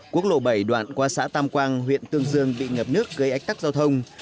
quốc lộ bảy đoạn qua xã tam quang huyện tương dương bị ngập nước gây ách tắc giao thông